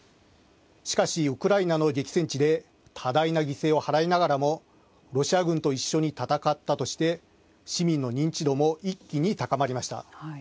しかし、ウクライナの激戦地で多大な犠牲を払いながらもロシア軍と一緒に戦ったとして市民の認知度も一気に高まりました。